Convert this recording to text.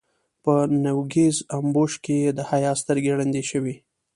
په نوږيز امبوش کې يې د حيا سترګې ړندې شوې.